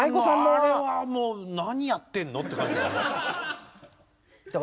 あれはもう何やってんのって感じ。